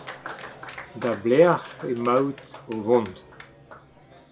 Da belec'h emaout o vont ?